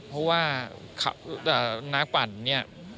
เพราะว่านักปั่นเนี่ย